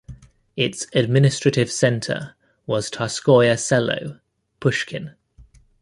Its administrative centre was Tsarskoye Selo ("Pushkin").